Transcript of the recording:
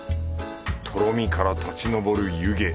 とろみから立ちのぼる湯気。